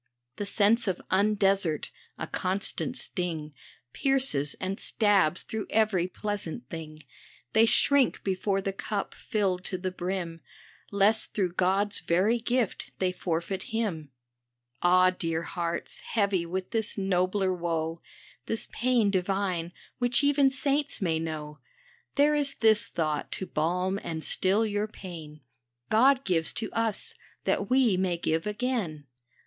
The sense of undesert, a constant sting, Pierces and stabs through every pleasant thing, They shrink before the cup filled to the brim, Lest through God's very gift they forfeit him. Ah ! dear hearts, heavy with this nobler woe, This pain divine, which even saints may know, There is this thought to balm and still your pain :" God gives to us that we may give again."